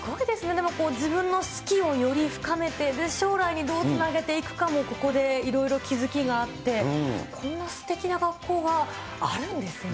でもこう、自分の好きをより深めて、将来にどうつなげていくかもここでいろいろ気付きがあって、こんなすてきな学校があるんですね。